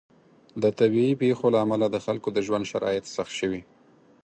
د طبیعي پیښو له امله د خلکو د ژوند شرایط سخت شوي.